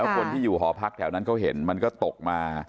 คนที่อยู่หอพักแถวนั้นเขาเห็นมันก็ตกมา